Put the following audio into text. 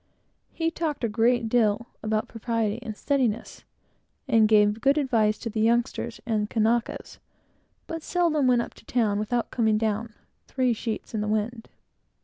He talked a great deal about propriety and steadiness, and gave good advice to the youngsters and Kanakas, but seldom went up to the town, without coming down "three sheets in the wind."